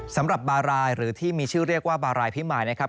สำหรับบารายหรือที่มีชื่อเรียกว่าบารายพิมายนะครับ